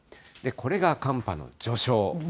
これが寒波の序章。